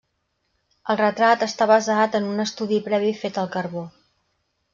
El retrat està basat en un estudi previ fet al carbó.